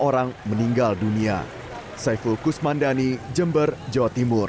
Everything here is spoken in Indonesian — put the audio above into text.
orang meninggal dunia saiful kusmandani jember jawa timur